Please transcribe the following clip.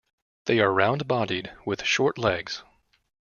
They are round-bodied, with short legs.